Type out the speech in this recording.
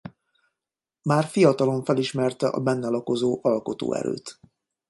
Már fiatalon felismerte a benne lakozó alkotó erőt.